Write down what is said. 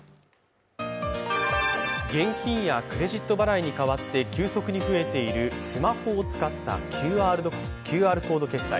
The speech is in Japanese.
現金やクレジット払いに代わって急速に増えているスマホを使ったＱＲコード決済。